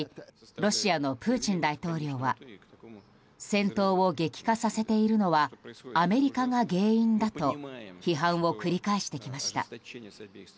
ロシアのプーチン大統領は戦闘を激化させているのはアメリカが原因だと批判を繰り返してきました。